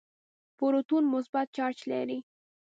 پروتون مثبت چارج لري.